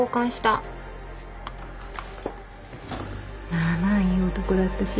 まあまあいい男だったし。